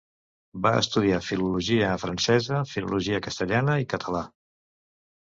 Va estudiar filologia francesa, filologia castellana i català.